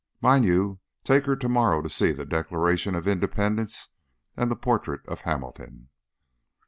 Mind you take her tomorrow to see the 'Declaration of Independence' and the portrait of Hamilton."